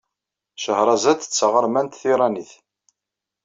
Cahṛazad d taɣermant tiṛanit.